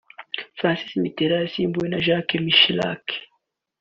François Mitterand yasimbuwe na Jacques Chirac